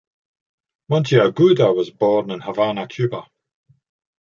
Monteagudo was born in Havana, Cuba.